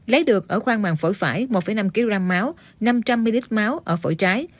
lấy được ở khoang màng phổi phải một năm kg máu năm trăm linh ml máu ở phổi trái